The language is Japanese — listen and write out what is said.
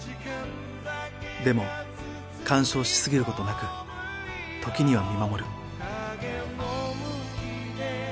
でも干渉しすぎる事なく時には見守る。